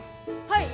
はい！